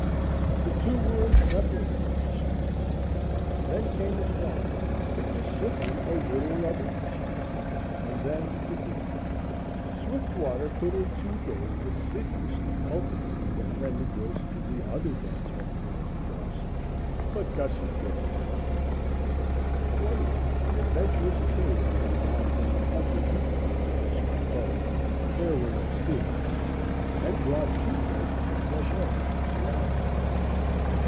The two were inseparable on the streets. Then came the quarrel it was simply a little lovers' dispute, and then the break. Swiftwater put in two days assiduously cultivating the friendly graces of the other dance hall girls in Dawson, but Gussie cared not. One night an adventurous trader came down from the Upper Yukon in a small boat there were no steamers then and brought two crates of fresh eggs from Seattle.